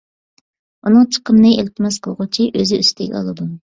ئۇنىڭ چىقىمىنى ئىلتىماس قىلغۇچى ئۆزى ئۈستىگە ئالىدۇ.